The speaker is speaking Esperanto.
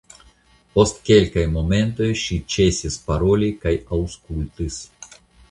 Post kelkaj momentoj ŝi ĉesis paroli kaj aŭskultis.